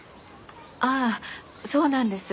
あそうなんです